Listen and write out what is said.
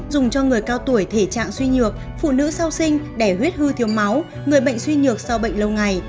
dùng cho người cao tuổi thể trạng suy nhược phụ nữ sau sinh đẻ huyết hư thiếu máu người bệnh suy nhược sau bệnh lâu ngày